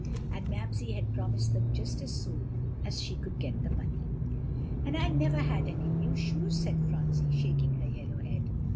"And Mamsie had promised them just as soon as she could get the money." "And I never had any new shoes," said Phronsie, shaking her yellow head.